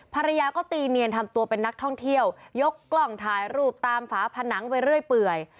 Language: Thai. ภรรยาก็ตีเนียนทำตัวเป็นนักท่องเที่ยวยกกล้องถ่ายรูปตามฝาผนังไปเรื่อยเปื่อย